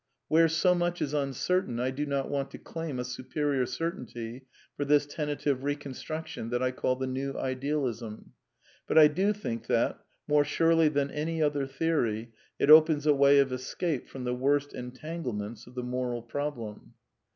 Where so much is uncertain, I do not want to claim a superior certainty for this tentative reconstruction that I call the New Idealism; but I do think that, more surely than any other theory, it opens a way of escape from the worst entanglements of the moral problem.